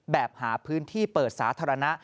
แบบหาพื้นที่เปิดสาธารณะ